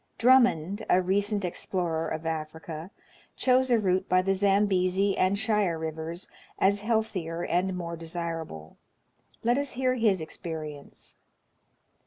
Drum mond, a recent explorer of Africa, chose a route by the Zambezi and Shire Rivers as healthier and more desirable. Let us hear his experience.